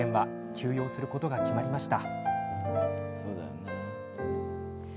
休養することが決まりました。